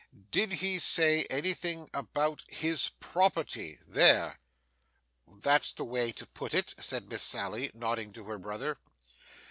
'Did he say anything about his property? there!' 'That's the way to put it,' said Miss Sally, nodding to her brother.